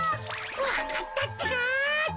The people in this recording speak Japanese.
わかったってか！